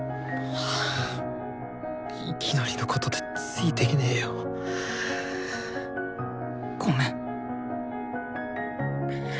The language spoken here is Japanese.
いきなりのことでついてけねよ。ごめん。